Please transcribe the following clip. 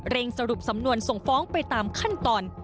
สรุปสำนวนส่งฟ้องไปตามขั้นตอน